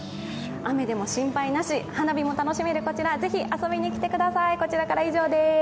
雨でも心配なし、花火も楽しめるこちら、ぜひ遊びに来てください。